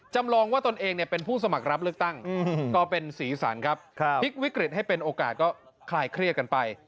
จำลองว่าตนเองเป็นผู้สมัครรับเลือกตั้งก็เป็นสีสันครับพลิกวิกฤตให้เป็นโอกาสก็คลายเครียดกันไป